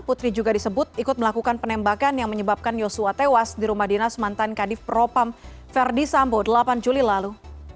putri juga disebut ikut melakukan penembakan yang menyebabkan yosua tewas di rumah dinas mantan kadif propam verdi sambo delapan juli lalu